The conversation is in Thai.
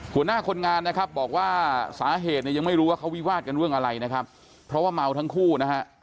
หัวหน้าคนงานนะครับบอกว่าสาเหตุเนี่ยยังไม่รู้ว่าเขาวิวาดกันเรื่องอะไรนะครับเพราะว่าเมาทั้งคู่นะฮะ